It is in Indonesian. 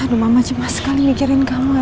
aduh mama cemas sekali mikirin kamu elsa